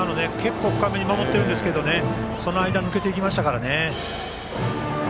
結構深めに守っていたんですけどその間を抜けていきましたからね。